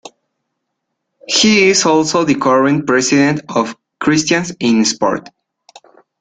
He is also the current president of "Christians In Sport".